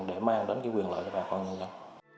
để mang đến cái quyền lợi cho bà con nhân dân